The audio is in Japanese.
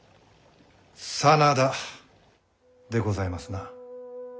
真田でございますな。